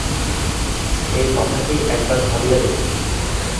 এই কথাটি একবার ভাবিয়া দেখুন।